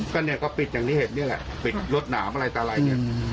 ก็เนี่ยก็ปิดอย่างที่เห็นนี่แหละปิดรวดหนามอะไรต่ออะไรเนี่ย